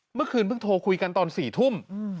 เมื่อคืนเพิ่งโทรคุยกันตอน๔ทุ่ม